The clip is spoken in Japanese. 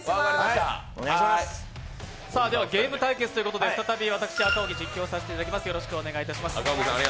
ゲーム対決ということで再び私、赤荻が実況させていただきます。